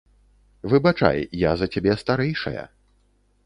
Выбачай, я за цябе старэйшая.